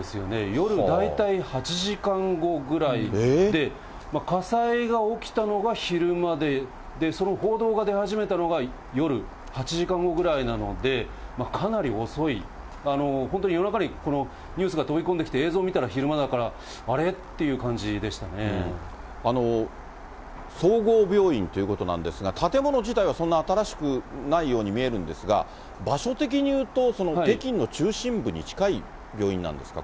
夜、大体８時間後ぐらいで、火災が起きたのが昼間で、その報道が出始めたのが夜、８時間後ぐらいなので、かなり遅い、本当に夜中にこのニュースが飛び込んできて映像見たら、昼間だか総合病院ということなんですが、建物自体はそんな新しくないように見えるんですが、場所的に言うと、北京の中心部に近い病院なんですか？